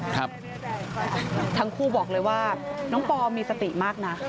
ทั้งคู่บอกเลยว่าน้องปอมีสติมากนะ